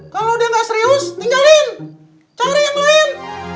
kalau dia nggak serius ninggalin cari yang lain